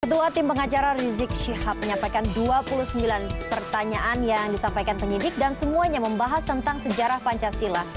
ketua tim pengacara rizik syihab menyampaikan dua puluh sembilan pertanyaan yang disampaikan penyidik dan semuanya membahas tentang sejarah pancasila